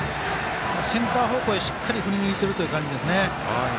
センター方向にしっかり振りぬいてるという感じですね。